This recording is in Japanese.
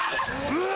うわ！